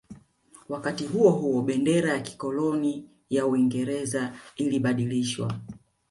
Wakati huo huo bendera ya kikoloni ya Uingereza ilibadilishwa